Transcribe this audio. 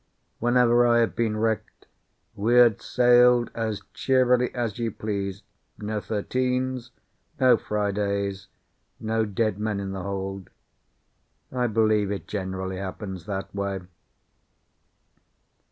Whenever I have been wrecked, we had sailed as cheerily as you please no thirteens, no Fridays, no dead men in the hold. I believe it generally happens that way.